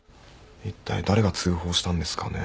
いったい誰が通報したんですかね。